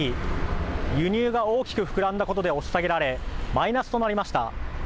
輸入が大きく膨らんだことで押し下げられマイナスとなりました。